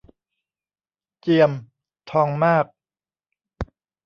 เจียม ทองมาก